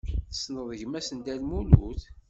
Tessneḍ gma-s n Dda Lmulud?